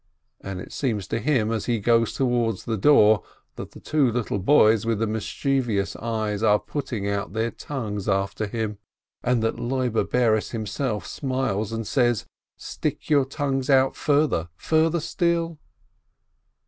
and it seems to him, as he goes toward the door, that the two little boys with the mischievous eyes are putting out their tongues after him, and that Loibe Bares himself smiles and says, "Stick your tongues out further, further still